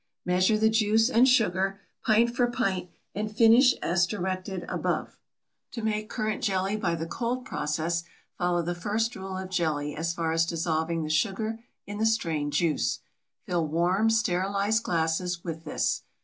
Measure the juice and sugar, pint for pint, and finish as directed above. To make currant jelly by the cold process follow the first rule for jelly as far as dissolving the sugar in the strained juice. Fill warm, sterilized glasses with this.